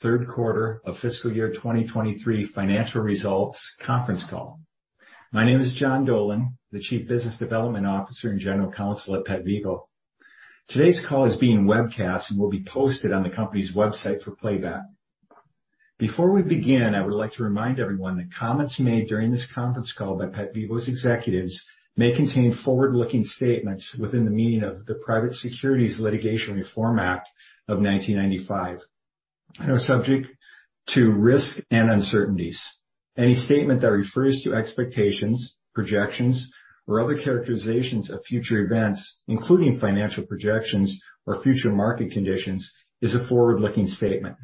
Third quarter of fiscal year 2023 financial results conference call. My name is John Dolan, the Chief Business Development Officer and General Counsel at PetVivo. Today's call is being webcast and will be posted on the company's website for playback. Before we begin, I would like to remind everyone that comments made during this conference call by PetVivo's executives may contain forward-looking statements within the meaning of the Private Securities Litigation Reform Act of 1995, and are subject to risk and uncertainties. Any statement that refers to expectations, projections, or other characterizations of future events, including financial projections or future market conditions, is a forward-looking statement.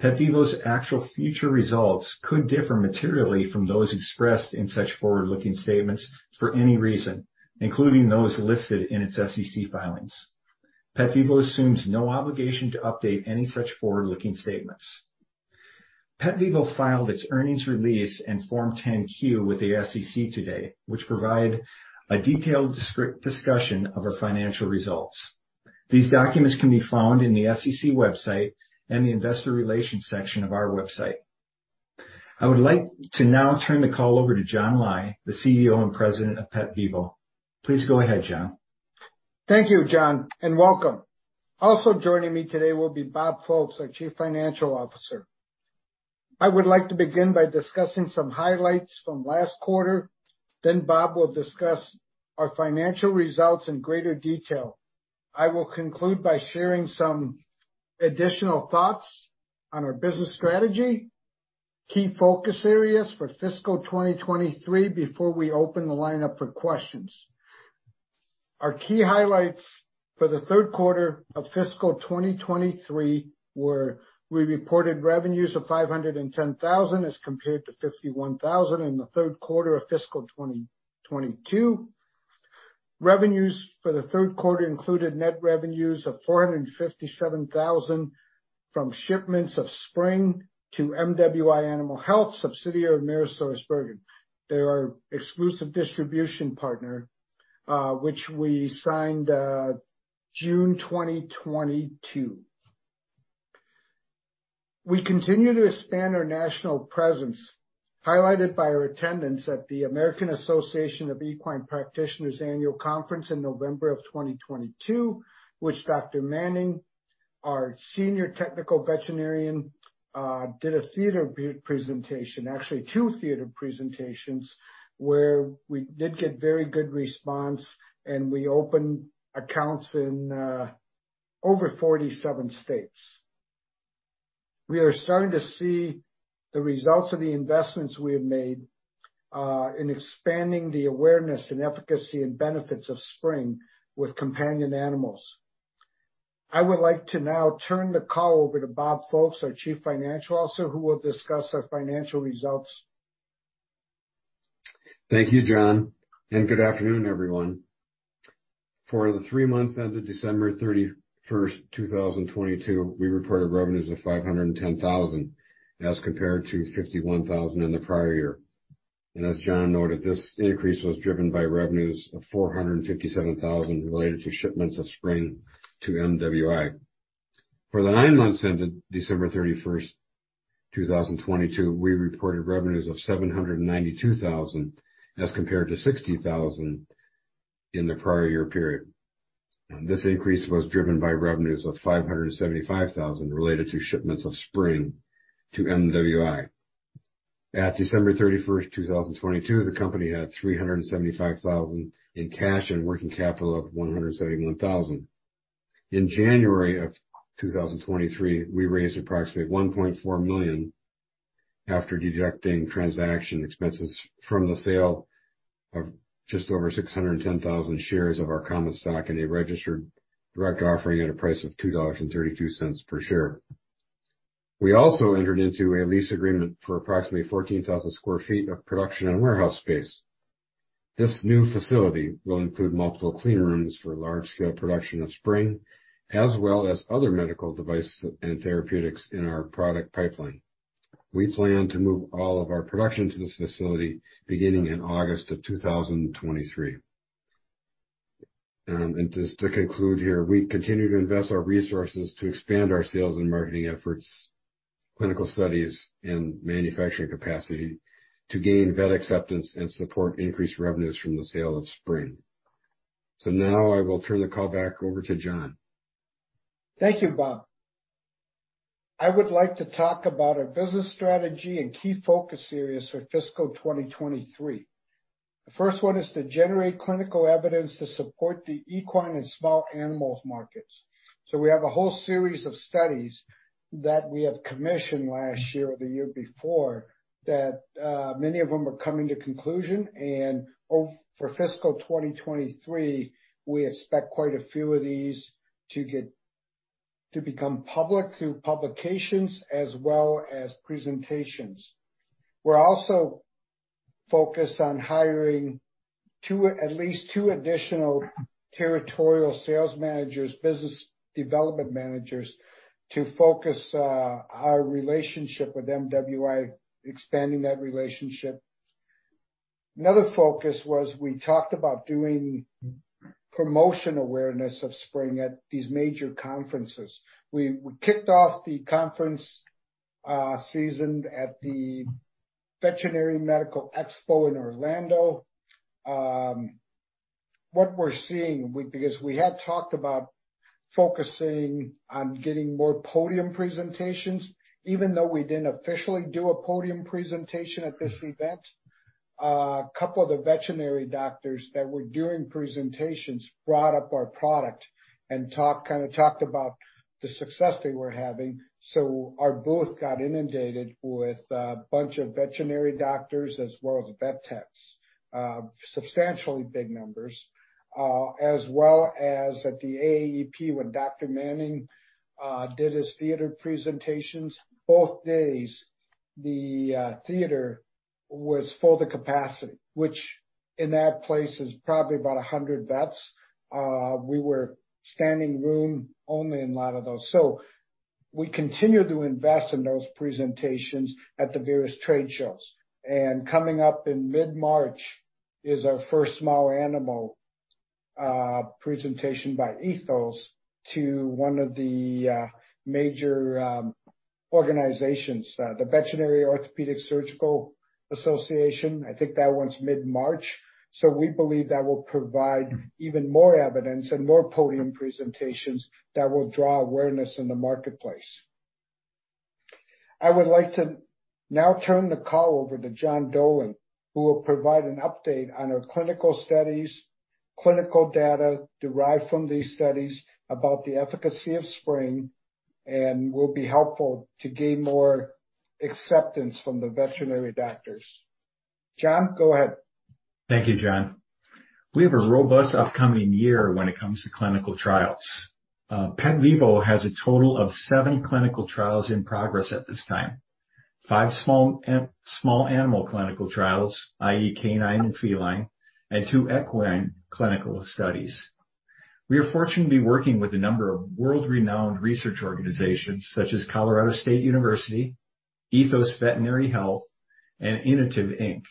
PetVivo's actual future results could differ materially from those expressed in such forward-looking statements for any reason, including those listed in its SEC filings. PetVivo assumes no obligation to update any such forward-looking statements. PetVivo filed its earnings release and Form 10-Q with the SEC today, which provide a detailed discussion of our financial results. These documents can be found in the SEC website and the investor relations section of our website. I would like to now turn the call over to John Lai, the CEO and President of PetVivo. Please go ahead, John. Thank you, John, and welcome. Also joining me today will be Bob Folkes, our Chief Financial Officer. I would like to begin by discussing some highlights from last quarter. Bob will discuss our financial results in greater detail. I will conclude by sharing some additional thoughts on our business strategy, key focus areas for fiscal 2023, before we open the line up for questions. Our key highlights for the third quarter of fiscal 2023 were we reported revenues of $510,000 as compared to $51,000 in the third quarter of fiscal 2022. Revenues for the third quarter included net revenues of $457,000 from shipments of Spryng to MWI Animal Health, subsidiary of AmerisourceBergen. They're our exclusive distribution partner, which we signed, June 2022. We continue to expand our national presence, highlighted by our attendance at the American Association of Equine Practitioners annual conference in November of 2022, which Dr. Manning, our senior technical veterinarian, did a theater pre-presentation. Actually two theater presentations, where we did get very good response, and we opened accounts in over 47 states. We are starting to see the results of the investments we have made in expanding the awareness and efficacy and benefits of Spryng with companion animals. I would like to now turn the call over to Bob Folkes, our Chief Financial Officer, who will discuss our financial results. Thank you, John. Good afternoon, everyone. For the three months ended December 31st, 2022, we reported revenues of $510,000 as compared to $51,000 in the prior year. As John noted, this increase was driven by revenues of $457,000 related to shipments of Spryng to MWI. For the nine months ended December 31st, 2022, we reported revenues of $792,000 as compared to $60,000 in the prior year period. This increase was driven by revenues of $575,000 related to shipments of Spryng to MWI. At December 31st, 2022, the company had $375,000 in cash and working capital of $171,000. In January of 2023, we raised approximately $1.4 million after deducting transaction expenses from the sale of just over 610,000 shares of our common stock in a registered direct offering at a price of $2.32 per share. We also entered into a lease agreement for approximately 14,000 sq ft of production and warehouse space. This new facility will include multiple clean rooms for large scale production of Spryng, as well as other medical devices and therapeutics in our product pipeline. We plan to move all of our production to this facility beginning in August of 2023. Just to conclude here, we continue to invest our resources to expand our sales and marketing efforts, clinical studies and manufacturing capacity to gain vet acceptance and support increased revenues from the sale of Spryng. Now I will turn the call back over to John. Thank you, Bob. I would like to talk about our business strategy and key focus areas for fiscal 2023. We have a whole series of studies that we have commissioned last year or the year before that, many of them are coming to conclusion and for fiscal 2023, we expect quite a few of these to get to become public through publications as well as presentations. We're also focused on hiring at least two additional territorial sales managers, business development managers to focus our relationship with MWI, expanding that relationship. Another focus was we talked about doing promotional awareness of Spryng at these major conferences. We kicked off the conference season at the Veterinary Medical Expo in Orlando. What we're seeing because we had talked about focusing on getting more podium presentations, even though we didn't officially do a podium presentation at this event, a couple of the veterinary doctors that were doing presentations brought up our product and talked about the success they were having. Our booth got inundated with a bunch of veterinary doctors as well as vet techs, substantially big numbers. As well as at the AAEP, when Dr. Manning did his theater presentations, both days the theater was full to capacity, which in that place is probably about 100 vets. We were standing room only in a lot of those. We continue to invest in those presentations at the various trade shows. Coming up in mid-March is our first small animal presentation by Ethos to one of the major organizations, the Veterinary Orthopedic Surgical Association. I think that one's mid-March. We believe that will provide even more evidence and more podium presentations that will draw awareness in the marketplace. I would like to now turn the call over to John Dolan, who will provide an update on our clinical studies, clinical data derived from these studies about the efficacy of Spryng, and will be helpful to gain more acceptance from the veterinary doctors. John, go ahead. Thank you, John. We have a robust upcoming year when it comes to clinical trials. PetVivo has a total of seven clinical trials in progress at this time. five small animal clinical trials, i.e. canine and feline, and two equine clinical studies. We are fortunate to be working with a number of world-renowned research organizations such as Colorado State University, Ethos Veterinary Health, and Inotiv, Inc.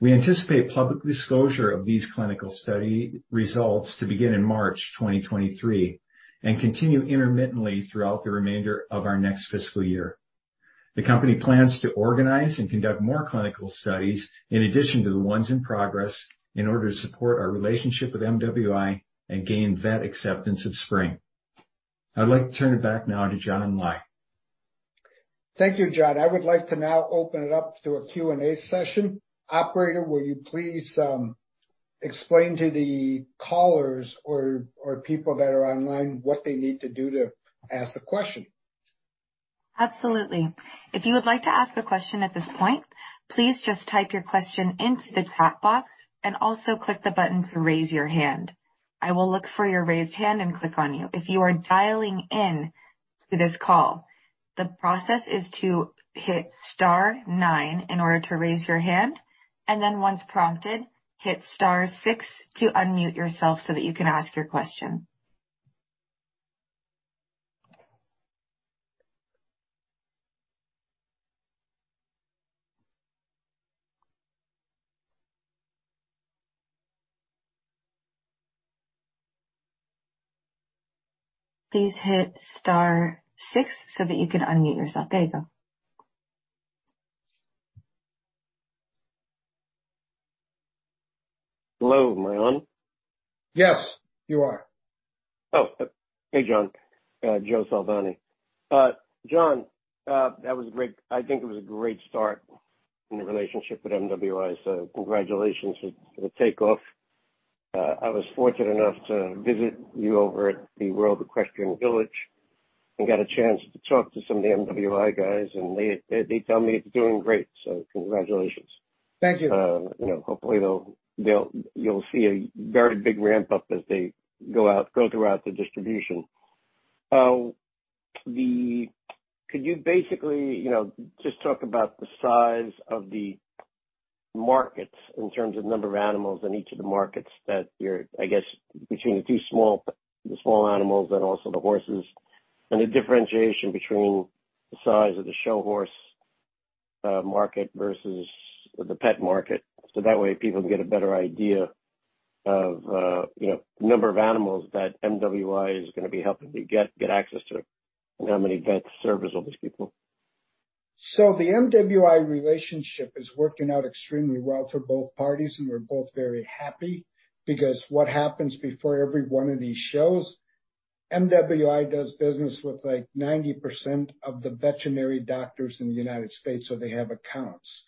We anticipate public disclosure of these clinical study results to begin in March 2023 and continue intermittently throughout the remainder of our next fiscal year. The company plans to organize and conduct more clinical studies in addition to the ones in progress, in order to support our relationship with MWI and gain vet acceptance of Spryng. I'd like to turn it back now to John and Lai. Thank you, John. I would like to now open it up to a Q&A session. Operator, will you please explain to the callers or people that are online what they need to do to ask a question? Absolutely. If you would like to ask a question at this point, please just type your question into the chat box and also click the button to raise your hand. I will look for your raised hand and click on you. If you are dialing in to this call, the process is to hit star nine in order to raise your hand, and then once prompted, hit star 6 to unmute yourself so that you can ask your question. Please hit star six so that you can unmute yourself. There you go. Hello. Am I on? Yes, you are. Oh, hey, John. Joe Salvani. John, I think it was a great start in the relationship with MWI, congratulations to the takeoff. I was fortunate enough to visit you over at the World Equestrian Center and get a chance to talk to some of the MWI guys, and they tell me it's doing great, congratulations. Thank you. You know, hopefully you'll see a very big ramp-up as they go throughout the distribution. Could you basically, you know, just talk about the size of the markets in terms of number of animals in each of the markets that you're, I guess, between the small animals and also the horses, and the differentiation between the size of the show horse market versus the pet market, so that way people can get a better idea of, you know, number of animals that MWI is gonna be helping to get access to, and how many vets service all these people. The MWI relationship is working out extremely well for both parties, and we're both very happy because what happens before every one of these shows, MWI does business with, like, 90% of the veterinary doctors in the United States, so they have accounts.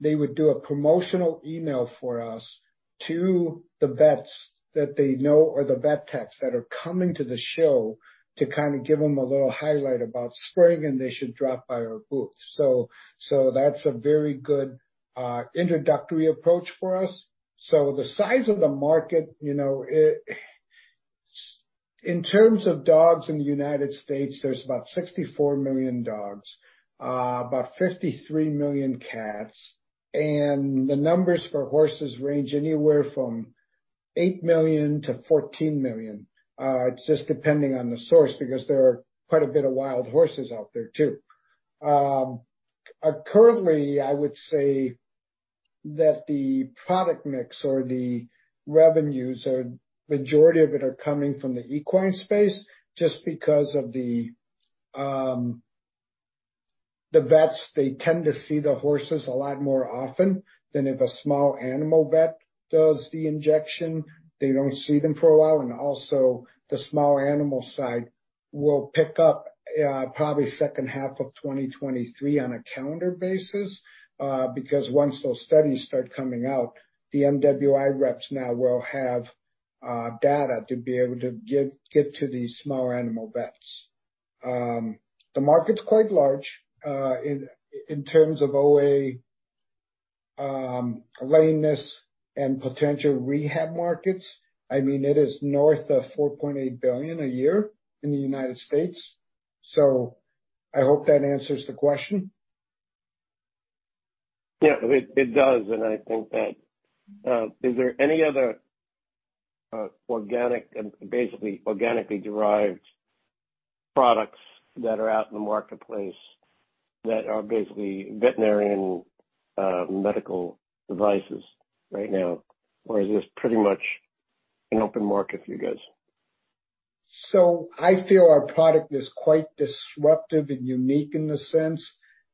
They would do a promotional email for us to the vets that they know or the vet techs that are coming to the show to kinda give them a little highlight about Spryng, and they should drop by our booth. That's a very good introductory approach for us. The size of the market, you know, In terms of dogs in the United States, there's about 64 million dogs, about 53 million cats, and the numbers for horses range anywhere from 8 million-14 million. It's just depending on the source, because there are quite a bit of wild horses out there too. Currently, I would say that the product mix or the revenues, majority of it are coming from the equine space just because of the vets, they tend to see the horses a lot more often than if a small animal vet does the injection, they don't see them for a while. The small animal side will pick up probably second half of 2023 on a calendar basis, because once those studies start coming out, the MWI reps now will have data to be able to get to the smaller animal vets. The market's quite large in terms of OA, lameness and potential rehab markets. I mean, it is north of $4.8 billion a year in the United States. I hope that answers the question. Yeah, it does. I think that, is there any other organic and basically organically derived products that are out in the marketplace that are basically veterinarian medical devices right now? Is this pretty much an open market for you guys? I feel our product is quite disruptive and unique in the sense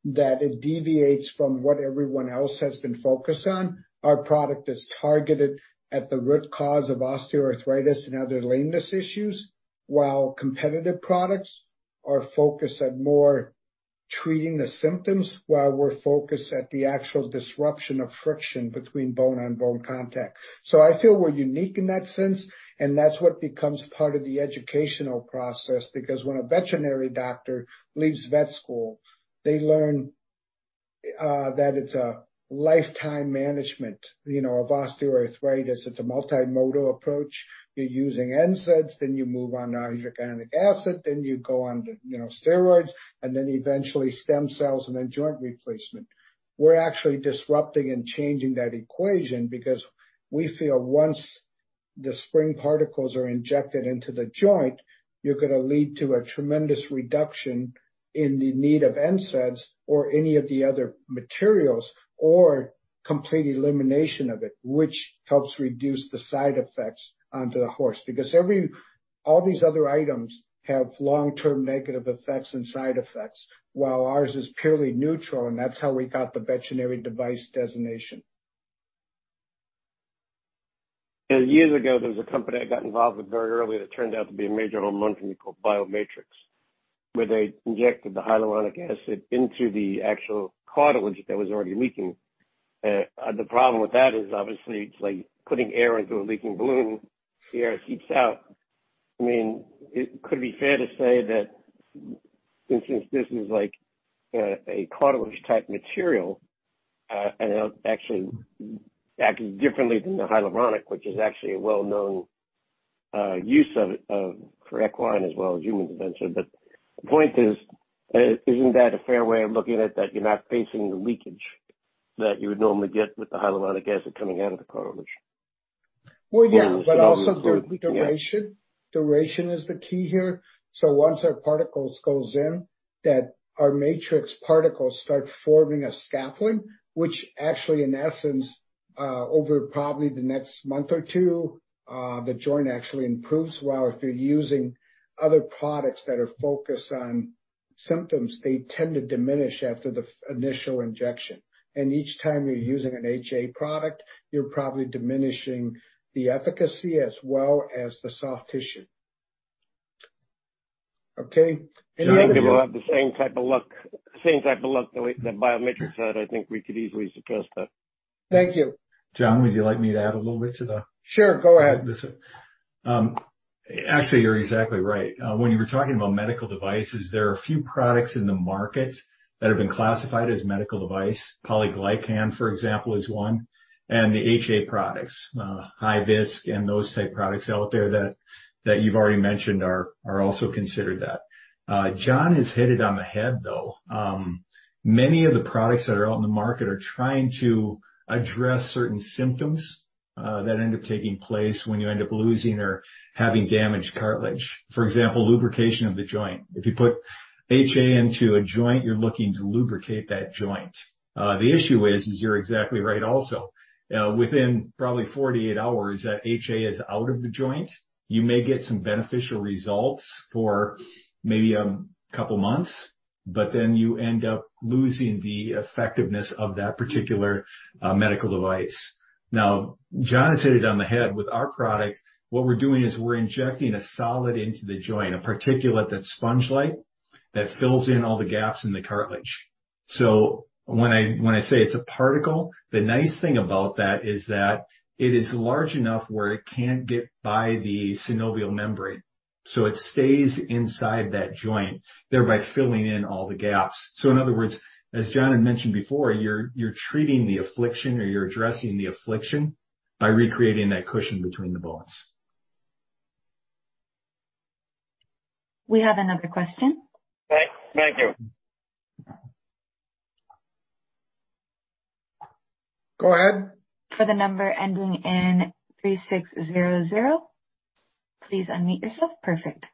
that it deviates from what everyone else has been focused on. Our product is targeted at the root cause of osteoarthritis and other lameness issues, while competitive products are focused at more treating the symptoms, while we're focused at the actual disruption of friction between bone-on-bone contact. I feel we're unique in that sense, and that's what becomes part of the educational process. When a veterinary doctor leaves vet school, they learn that it's a lifetime management, you know, of osteoarthritis. It's a multimodal approach. You're using NSAIDs, then you move on to hyaluronic acid, then you go on to, you know, steroids, and then eventually stem cells and then joint replacement. We're actually disrupting and changing that equation because we feel once the Spryng particles are injected into the joint, you're gonna lead to a tremendous reduction in the need of NSAIDs or any of the other materials or complete elimination of it, which helps reduce the side effects onto the horse. All these other items have long-term negative effects and side effects, while ours is purely neutral, and that's how we got the veterinary device designation. Years ago, there was a company I got involved with very early that turned out to be a major home run for me called Biomatrix, where they injected the hyaluronic acid into the actual cartilage that was already leaking. The problem with that is obviously it's like putting air into a leaking balloon. The air seeps out. I mean, could it be fair to say that since this is like a cartilage-type material, and it actually acted differently than the hyaluronic, which is actually a well-known use of for equine as well as human intervention. The point is, isn't that a fair way of looking at that you're not facing the leakage that you would normally get with the hyaluronic acid coming out of the cartilage? Well, yeah. Also duration. Duration is the key here. Once our particles goes in, that our matrix particles start forming a scaffold, which actually in essence, over probably the next month or two, the joint actually improves. While if you're using other products that are focused on symptoms, they tend to diminish after the initial injection. Each time you're using an HA product, you're probably diminishing the efficacy as well as the soft tissue. Okay. I think it will have the same type of luck the way that Biomatrix had. I think we could easily suggest that. Thank you. John, would you like me to add a little bit to the? Sure, go ahead. Actually, you're exactly right. When you were talking about medical devices, there are a few products in the market that have been classified as medical device. Polyglycan, for example, is one, and the HA products, Hyvisc and those type products out there that you've already mentioned are also considered that. John has hit it on the head, though. Many of the products that are out in the market are trying to address certain symptoms that end up taking place when you end up losing or having damaged cartilage. For example, lubrication of the joint. If you put HA into a joint, you're looking to lubricate that joint. The issue is you're exactly right also. Within probably 48 hours, that HA is out of the joint. You may get some beneficial results for maybe, a couple of months. You end up losing the effectiveness of that particular medical device. John has hit it on the head. With our product, what we're doing is we're injecting a solid into the joint, a particulate that's sponge-like that fills in all the gaps in the cartilage. When I say it's a particle, the nice thing about that is that it is large enough where it can't get by the synovial membrane, so it stays inside that joint, thereby filling in all the gaps. In other words, as John had mentioned before, you're treating the affliction or you're addressing the affliction by recreating that cushion between the bones. We have another question. Thank you. Go ahead. For the number ending in 3600. Please unmute yourself. Perfect.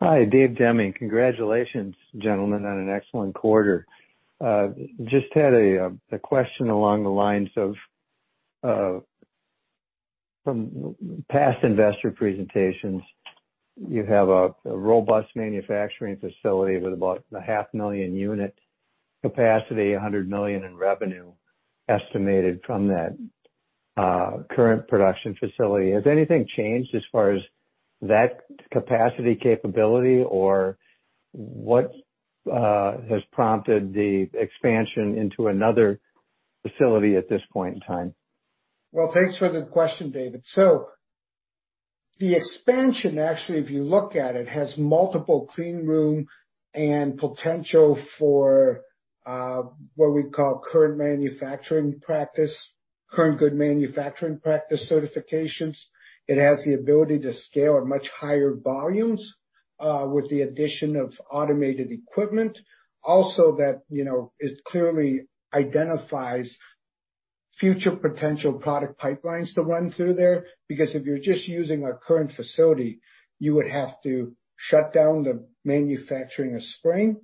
Hi, David Deming. Congratulations, gentlemen, on an excellent quarter. Just had a question along the lines of from past investor presentations. You have a robust manufacturing facility with about a half million unit capacity, $100 million in revenue estimated from that current production facility. Has anything changed as far as that capacity capability, or what has prompted the expansion into another facility at this point in time? Thanks for the question, David. The expansion actually, if you look at it, has multiple clean room and potential for what we call current good manufacturing practice certifications. It has the ability to scale at much higher volumes with the addition of automated equipment. Also that, you know, it clearly identifies future potential product pipelines to run through there. If you're just using our current facility, you would have to shut down the manufacturing of Spryng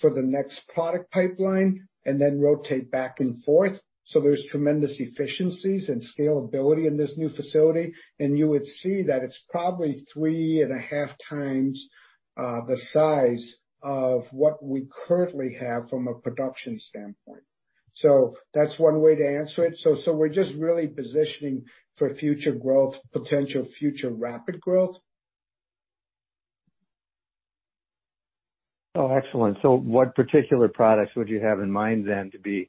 for the next product pipeline and then rotate back and forth. There's tremendous efficiencies and scalability in this new facility. You would see that it's probably 3.5 times the size of what we currently have from a production standpoint. That's one way to answer it. We're just really positioning for future growth, potential future rapid growth. Oh, excellent. What particular products would you have in mind then to be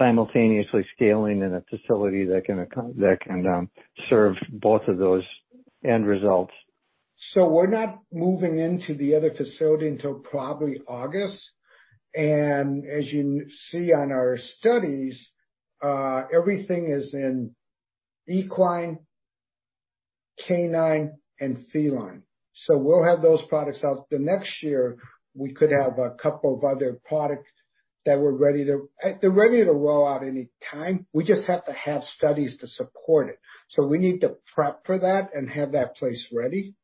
simultaneously scaling in a facility that can serve both of those end results? We're not moving into the other facility until probably August. As you see on our studies, everything is in equine, canine, and feline. We'll have those products out. The next year, we could have a couple of other products that they're ready to roll out any time. We just have to have studies to support it. We need to prep for that and have that place ready.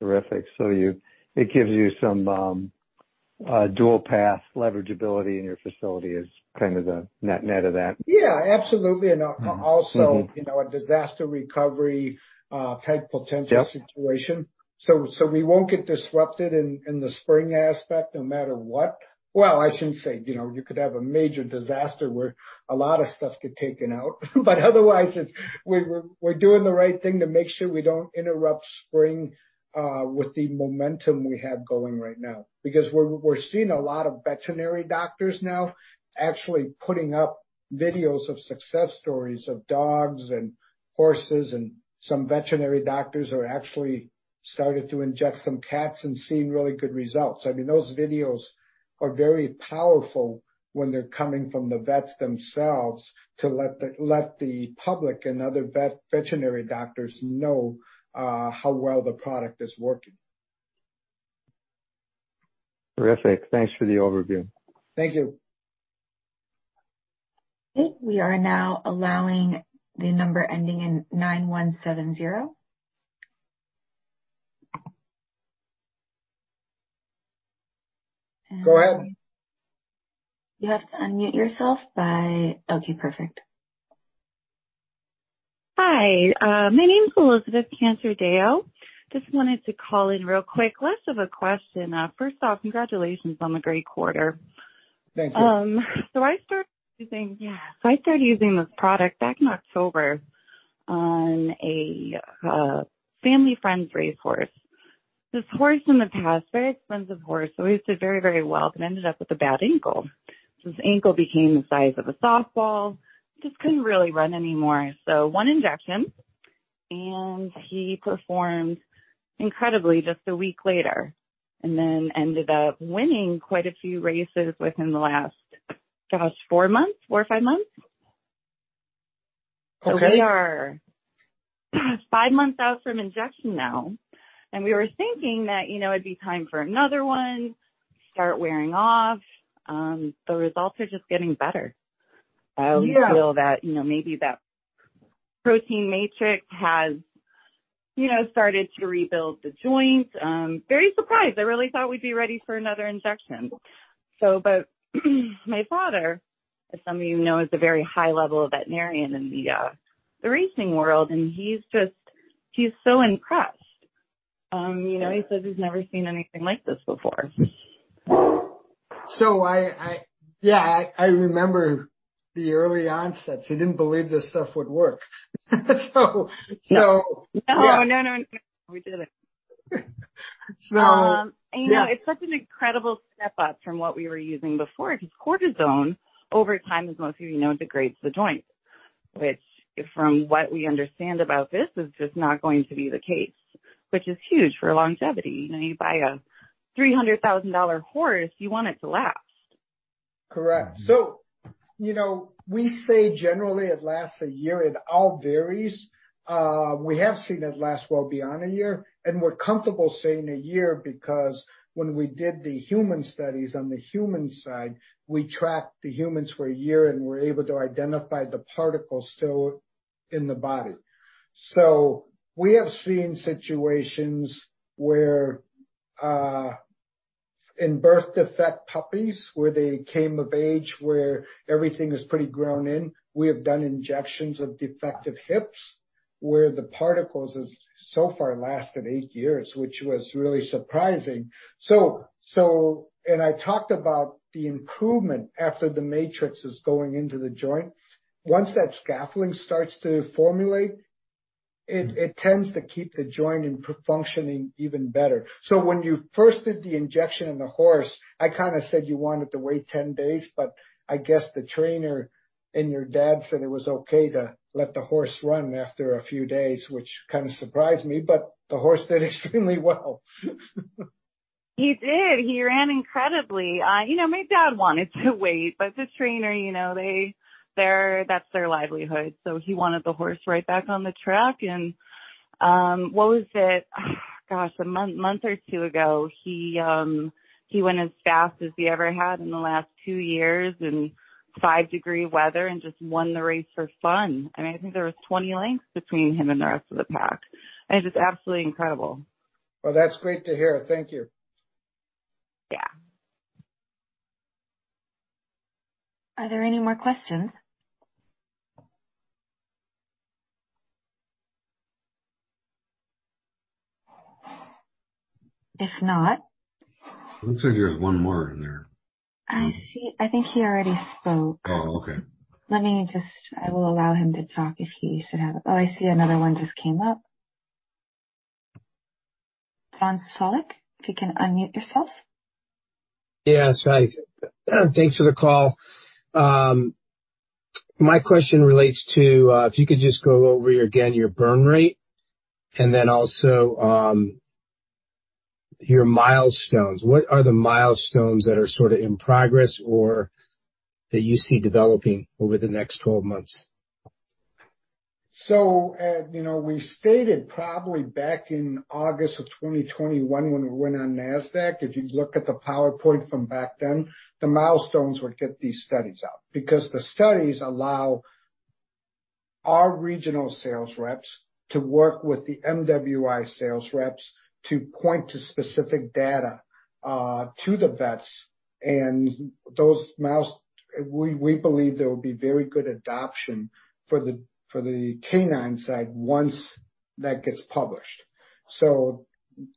Terrific. you, it gives you some dual path leveragability in your facility is kind of the net of that. Yeah, absolutely. Mm-hmm. Also. Mm-hmm. You know, a disaster recovery, type potential- Yep. situation. We won't get disrupted in Spryng aspect no matter what. Well, I shouldn't say. You know, you could have a major disaster where a lot of stuff could get taken out. Otherwise we're doing the right thing to make sure we don't interrupt Spryng with the momentum we have going right now. We're seeing a lot of veterinary doctors now actually putting up videos of success stories of dogs and horses. Some veterinary doctors have actually started to inject some cats and seen really good results. I mean, those videos are very powerful when they're coming from the vets themselves to let the public and other veterinary doctors know how well the product is working. Terrific. Thanks for the overview. Thank you. Okay. We are now allowing the number ending in 9170. Go ahead. You have to unmute yourself. Okay, perfect. Hi, my name's Elizabeth Canterdeo. Just wanted to call in real quick. Less of a question. First off, congratulations on the great quarter. Thank you. I started using this product back in October on a family friend's racehorse. This horse in the past, very expensive horse, so he always did very, very well, but ended up with a bad ankle. His ankle became the size of a softball. Just couldn't really run anymore. one injection, and he performed incredibly just a week later. Ended up winning quite a few races within the last, gosh, four months, four or five months. Okay. We are 5 months out from injection now. We were thinking that, you know, it'd be time for another one to start wearing off. The results are just getting better. Yeah. I feel that, you know, maybe that protein matrix has, you know, started to rebuild the joint. Very surprised. I really thought we'd be ready for another injection. My father, as some of you know, is a very high-level veterinarian in the racing world, and he's just, he's so impressed. You know, he says he's never seen anything like this before. Yeah, I remember the early onsets. You didn't believe this stuff would work. No, no, we didn't. Yeah. You know, it's such an incredible step up from what we were using before, because cortisone over time, as most of you know, degrades the joint. Which from what we understand about this, is just not going to be the case. Which is huge for longevity. You know, you buy a $300,000 horse, you want it to last. Correct. You know, we say generally it lasts a year, it all varies. We have seen it last well beyond a year, and we're comfortable saying a year because when we did the human studies on the human side, we tracked the humans for a year, and we're able to identify the particles still in the body. We have seen situations where in birth defect puppies, where they came of age, where everything is pretty grown in. We have done injections of defective hips, where the particles have so far lasted eight years, which was really surprising. I talked about the improvement after the matrix is going into the joint. Once that scaffolding starts to formulate, it tends to keep the joint functioning even better. When you first did the injection in the horse, I kinda said you wanted to wait 10 days, but I guess the trainer and your dad said it was okay to let the horse run after a few days, which kind of surprised me. The horse did extremely well. He did. He ran incredibly. You know, my dad wanted to wait, but the trainer, you know, that's their livelihood. He wanted the horse right back on the track. What was it? Gosh, a month or two ago, he went as fast as he ever had in the last two years in five-degree weather and just won the race for fun. I mean, I think there was 20 lengths between him and the rest of the pack. It's absolutely incredible. Well, that's great to hear. Thank you. Yeah. Are there any more questions? If not- Looks like there's one more in there. I see. I think he already spoke. Oh, okay. Let me just... I will allow him to talk if he should have... I see another one just came up. John Solik, if you can unmute yourself. Yes. Hi. Thanks for the call. My question relates to, if you could just go over again your burn rate and then also, your milestones. What are the milestones that are sort of in progress or that you see developing over the next 12 months? You know, we stated probably back in August of 2021 when we went on Nasdaq, if you look at the PowerPoint from back then, the milestones would get these studies out, because the studies allow our regional sales reps to work with the MWI sales reps to point to specific data to the vets and those. We believe there will be very good adoption for the canine side once that gets published.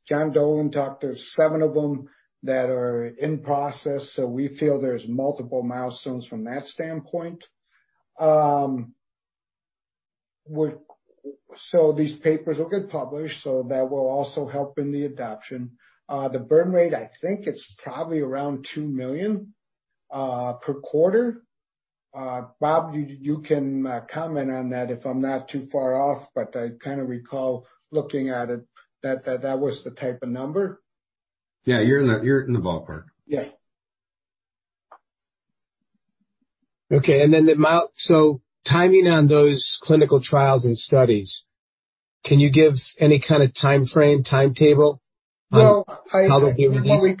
John Dolan talked, there's seven of them that are in process, so we feel there's multiple milestones from that standpoint. These papers will get published, so that will also help in the adoption. The burn rate, I think it's probably around $2 million per quarter. Bob, you can comment on that if I'm not too far off, but I kind of recall looking at it that was the type of number. Yeah, you're in the ballpark. Yeah. Okay. Timing on those clinical trials and studies, can you give any kind of timeframe, timetable on how they'll be released? Well, we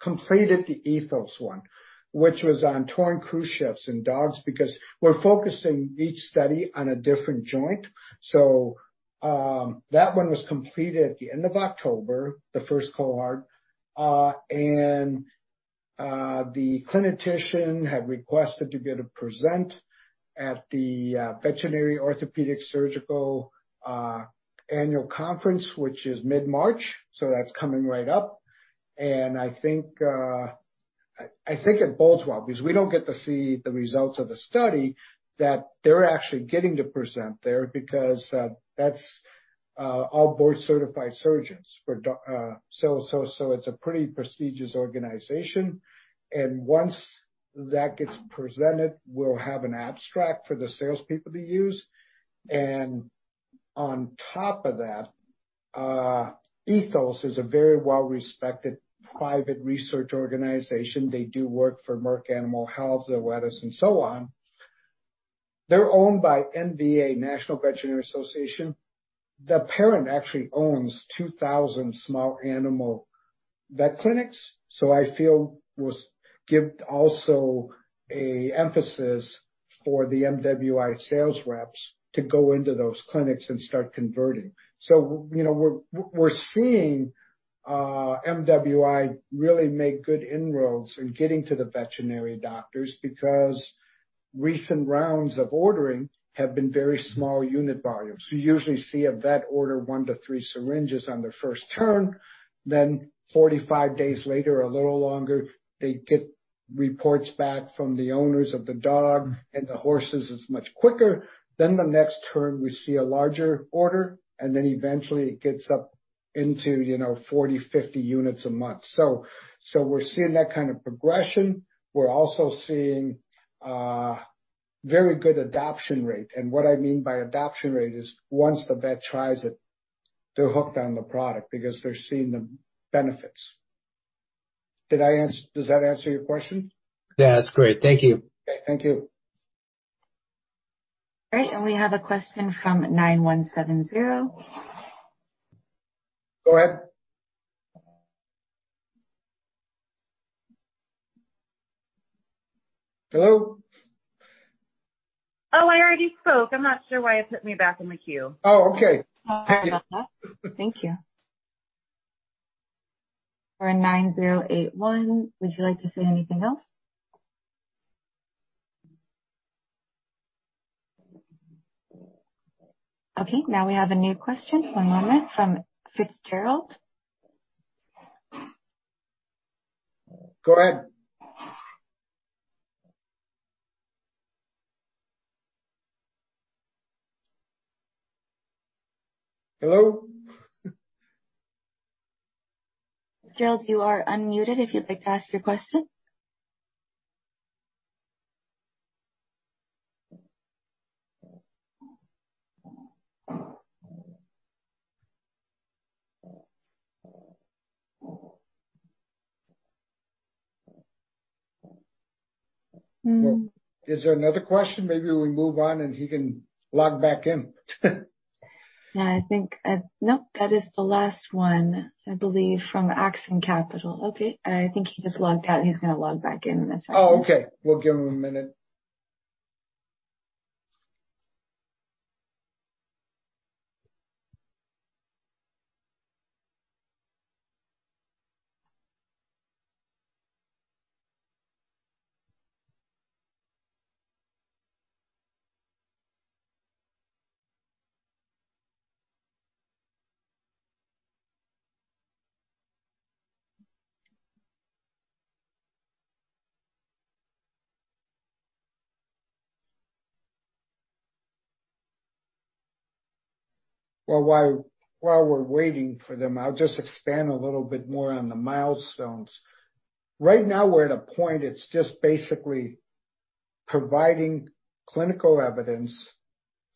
completed the Ethos one, which was on torn cruciate in dogs, because we're focusing each study on a different joint. That one was completed at the end of October, the first cohort. And the clinician had requested to be able to present at the Veterinary Orthopedic Surgical Annual Conference, which is mid-March, so that's coming right up. I think it bodes well because we don't get to see the results of the study that they're actually getting to present there because that's all board-certified surgeons, so it's a pretty prestigious organization. Once that gets presented, we'll have an abstract for the salespeople to use. On top of that, Ethos is a very well-respected private research organization. They do work for Merck Animal Health, Zoetis, and so on. They're owned by NVA, National Veterinary Associates. The parent actually owns 2,000 small animal vet clinics. I feel was give also a emphasis for the MWI sales reps to go into those clinics and start converting. You know, we're seeing MWI really make good inroads in getting to the veterinary doctors because recent rounds of ordering have been very small unit volumes. You usually see a vet order one to three syringes on their first turn. 45 days later, a little longer, they get reports back from the owners of the dog and the horses. It's much quicker. The next turn we see a larger order, and then eventually it gets up into, you know, 40, 50 units a month. We're seeing that kind of progression. We're also seeing, very good adoption rate. What I mean by adoption rate is once the vet tries it. They're hooked on the product because they're seeing the benefits. Does that answer your question? Yeah, that's great. Thank you. Okay. Thank you. Great. We have a question from 9170. Go ahead. Hello? Oh, I already spoke. I'm not sure why it put me back in the queue. Oh, okay. Sorry about that. Thank you. 9081, would you like to say anything else? Okay, now we have a new question, one moment, from Fitzgerald. Go ahead. Hello? Fitzgerald, you are unmuted if you'd like to ask your question. Mm-hmm. Is there another question? Maybe we move on, and he can log back in. No, I think, nope, that is the last one, I believe, from Axon Capital. Okay. I think he just logged out. He's gonna log back in in a second. Oh, okay. We'll give him a minute. Well, while we're waiting for them, I'll just expand a little bit more on the milestones. Right now we're at a point, it's just basically providing clinical evidence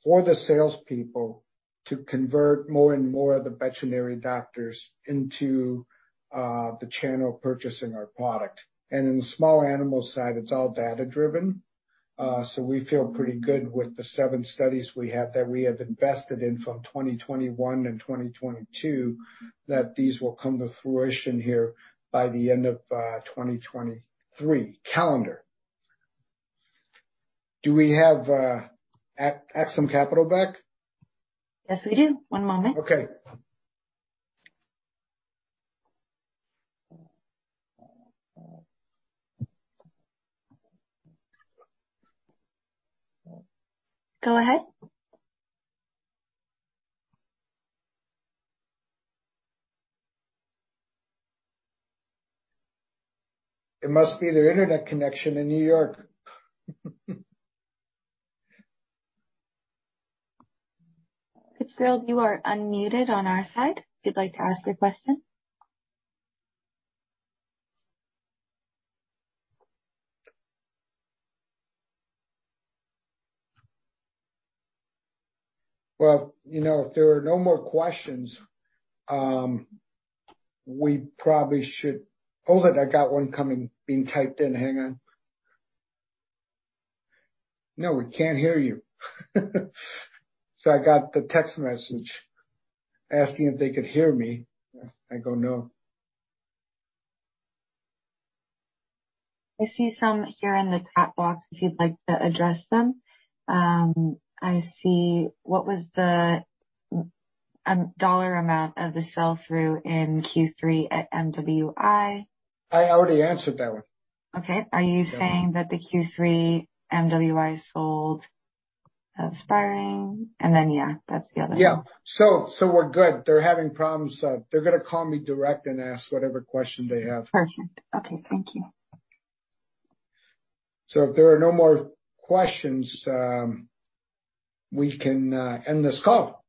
for the salespeople to convert more and more of the veterinary doctors into the channel purchasing our product. In the small animal side, it's all data-driven. We feel pretty good with the seven studies we have, that we have invested in from 2021 and 2022, that these will come to fruition here by the end of 2023, calendar. Do we have Axon Capital back? Yes, we do. One moment. Okay. Go ahead. It must be their Internet connection in New York. Fitzgerald, you are unmuted on our side if you'd like to ask your question. Well, you know, if there are no more questions, we probably should... Hold it, I got one coming, being typed in. Hang on. No, we can't hear you. I got the text message asking if they could hear me. I go, "No. I see some here in the chat box if you'd like to address them. I see, what was the dollar amount of the sell-through in Q3 at MWI? I already answered that one. Okay. Are you saying that the Q3 MWI sold Spryng? Then, yeah, that's the other one. Yeah. We're good. They're having problems. They're gonna call me direct and ask whatever question they have. Perfect. Okay, thank you. If there are no more questions, we can end this call.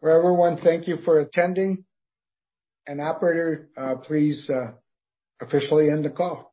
Well, everyone, thank you for attending. Operator, please officially end the call.